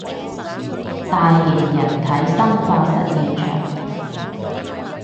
大型人體生化實驗場